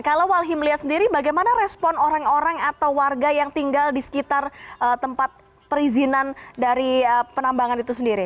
kalau walhi melihat sendiri bagaimana respon orang orang atau warga yang tinggal di sekitar tempat perizinan dari penambangan itu sendiri